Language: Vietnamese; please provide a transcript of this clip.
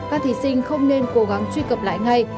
các thí sinh không nên cố gắng truy cập lại ngay